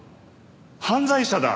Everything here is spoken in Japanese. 犯罪者だ！